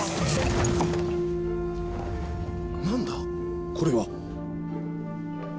何だ、これは？